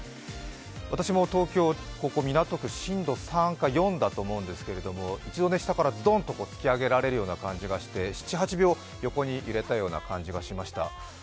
私も東京、ここ港区震度３か４だと思うんですけど、一度、下からドンと突き上げられるような感じがして７８秒横に揺れたような感じがしました。